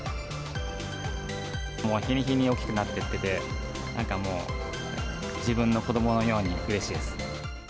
もう日に日に大きくなっていってて、なんかもう、自分の子どものようにうれしいです。